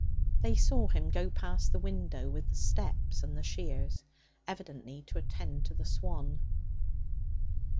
They saw him go past the window with the steps and the shears, evidently to attend to the swan.